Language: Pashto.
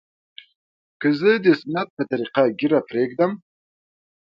که زه د سنت په طريقه ږيره پرېږدم.